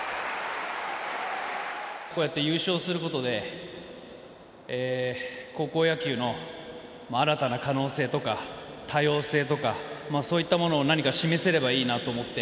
こうやって優勝することで、高校野球の新たな可能性とか、多様性とか、そういったものを何か示せればいいなと思って。